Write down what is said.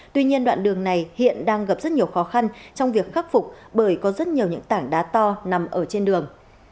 tuy nhiên đoạn đường này hiện đang gặp rất nhiều khó khăn trong việc khắc phục bởi có rất nhiều những tảng đá to nằm ở trên đường